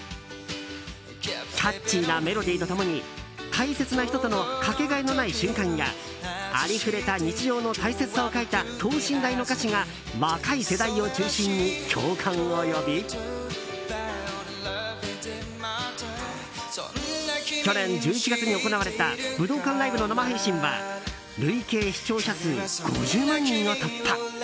キャッチーなメロディーと共に大切な人とのかけがえのない瞬間やありふれた日常の大切さを書いた等身大の歌詞が若い世代を中心に共感を呼び去年１１月に行われた武道館ライブの生配信は累計視聴者数５０万人を突破。